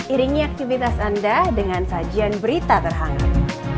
iringi aktivitas anda dengan sajian berita terhangat